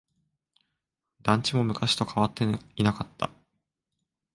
団地も昔と変わっていなかった。